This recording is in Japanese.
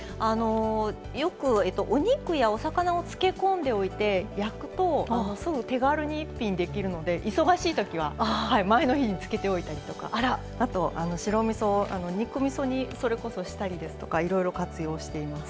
よくお肉やお魚を漬け込んでおいて焼くとすぐ手軽に一品できるので忙しいときは前の日に漬けておいたりとかあと白みそを肉みそにそれこそしたりですとかいろいろ活用しています。